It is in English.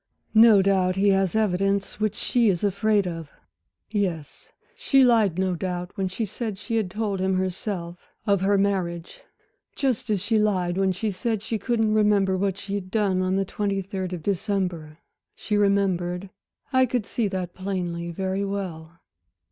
"No doubt he has evidence which she is afraid of. Yes, she lied no doubt when she said she had told him herself of her marriage, just as she lied when she said she couldn't remember what she had done on the twenty third of December. She remembered I could see that plainly very well."